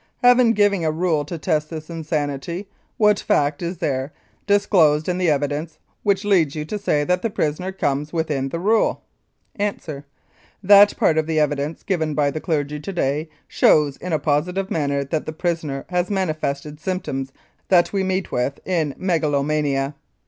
Having given a rule to test this insanity, what fact is there disclosed in the evidence which leads you to say that the prisoner comes within the rule? A. That part of the evidence given by the clergy to day shows in a positive manner that the prisoner has manifested symptoms that we meet with in megalomania.